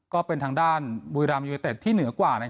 ก็เป็นทางด้านบุรีรัมยูเนเต็ดที่เหนือกว่า